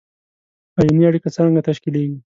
آیوني اړیکه څرنګه تشکیلیږي؟